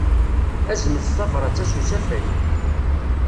Aznet tabṛat-a s usafag.